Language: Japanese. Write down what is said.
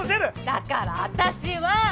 だから私は！